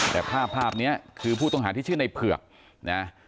แต่ภาพภาพนี้คือผู้ต้องหาที่ชื่อในเผือกนะ